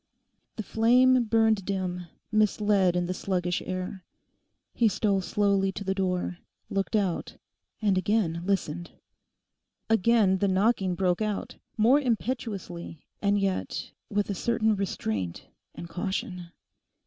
The flame burned dim, enisled in the sluggish air. He stole slowly to the door, looked out, and again listened. Again the knocking broke out, more impetuously and yet with a certain restraint and caution.